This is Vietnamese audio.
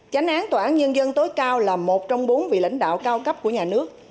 tránh án tòa án nhân dân tối cao là một trong bốn vị lãnh đạo cao cấp của nhà nước